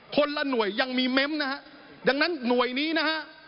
คนละหน่วยยังมีเม้มนะฮะดังนั้นหน่วยนี้นะฮะ